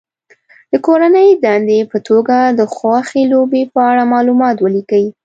د کورنۍ دندې په توګه د خوښې لوبې په اړه معلومات ولیکي.